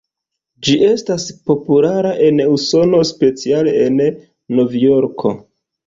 Ĝi estas populara en Usono, speciale en Novjorko.